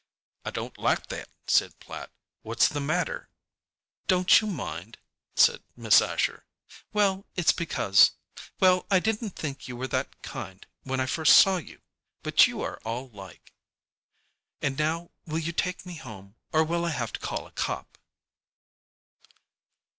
"I don't like that," said Platt. "What's the matter?" "Don't you mind," said Miss Asher. "Well, it's because—well, I didn't think you were that kind when I first saw you. But you are all like. And now will you take me home, or will I have to call a cop?"